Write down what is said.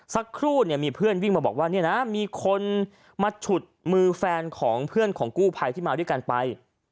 สักครู่เนี่ยมีเพื่อนวิ่งมาบอกว่าเนี่ยนะมีคนมาฉุดมือแฟนของเพื่อนของกู้ภัยที่มาด้วยกันไป